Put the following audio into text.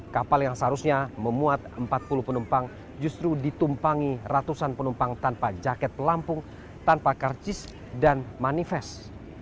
kapal yang seharusnya memuat empat puluh penumpang justru ditumpangi ratusan penumpang tanpa jaket pelampung tanpa karcis dan manifest